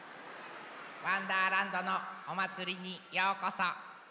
「わんだーらんど」のおまつりにようこそ。